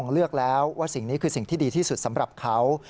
เลือกแล้วว่าสิ่งนี้คือสิ่งที่ดีที่สุดสำหรับเขา